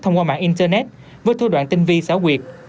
thông qua mạng internet với thư đoạn tinh vi xáo quyệt